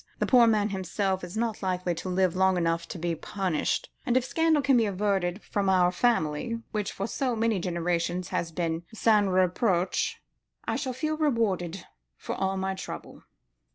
The poor man himself is not likely to live long enough to be punished; and if scandal can be averted from our family, which for so many generations has been sans reproche, I shall feel rewarded for all my trouble."